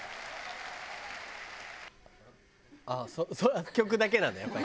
ああ曲だけなんだやっぱり。